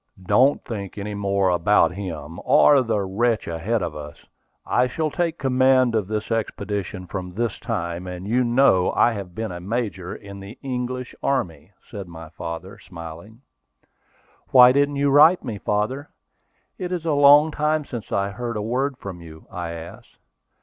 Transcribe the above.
"Don't think any more about him, or the wretch ahead of us. I shall take command of this expedition from this time; and you know I have been a major in the English army," said my father, smiling. "Why didn't you write to me, father? It is a long time since I heard a word from you," I asked.